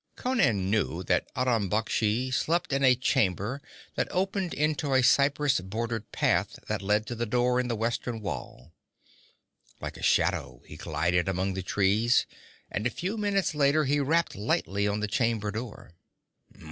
Conan knew that Aram Baksh slept in a chamber that opened into a cypress bordered path that led to the door in the western wall. Like a shadow he glided among the trees and a few moments later he rapped lightly on the chamber door.